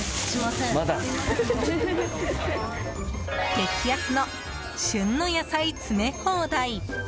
激安の、旬の野菜詰め放題！